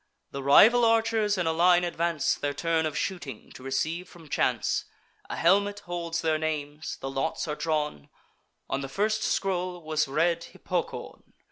The rival archers in a line advance, Their turn of shooting to receive from chance. A helmet holds their names; the lots are drawn: On the first scroll was read Hippocoon.